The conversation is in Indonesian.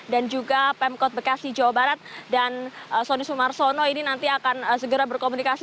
juga pemkot bekasi jawa barat dan sonny sumarsono ini nanti akan segera berkomunikasi